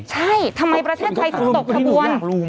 ใช่ทำไมประเทศไทยถึงตกขบวน